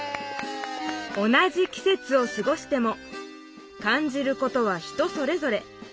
同じ季せつをすごしても感じることは人それぞれ。